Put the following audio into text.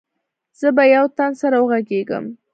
زه به يو تن سره وغږېږم.